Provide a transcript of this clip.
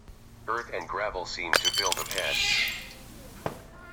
Earth and gravel seemed to fill the pan.